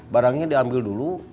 barangnya diambil dulu